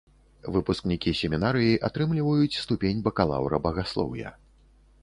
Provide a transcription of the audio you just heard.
Выпускнікі семінарыі атрымліваюць ступень бакалаўра багаслоўя.